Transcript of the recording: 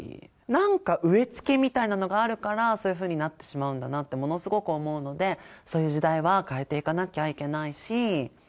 なんか植え付けみたいなのがあるから、そういうふうになってしまうんだなって、ものすごく思うので、そういう時代は変えていかなきゃいけないし。